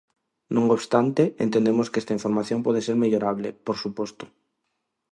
Non obstante, entendemos que esta información pode ser mellorable, por suposto.